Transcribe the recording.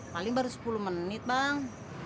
paling baru sepuluh menit bang